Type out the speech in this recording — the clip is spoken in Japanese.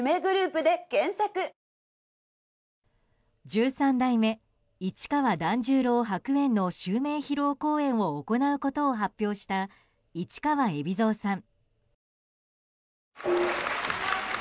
十三代目市川團十郎白猿の襲名披露公演を行うことを発表した市川海老蔵さん。